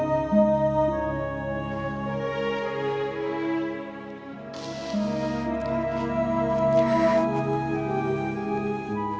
semuanya seperti rencana nenek